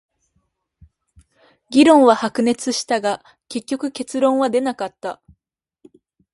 議論は白熱したが、結局結論は出なかった。